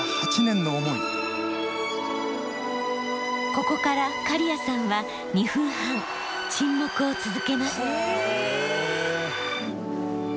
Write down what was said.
ここから刈屋さんは２分半沈黙を続けます。